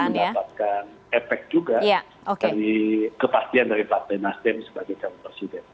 dan kami juga mendapatkan efek juga dari kepastian dari partai nasdem sebagai calon presiden